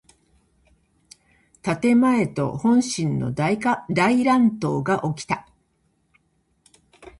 建前と本心の大乱闘がおきた。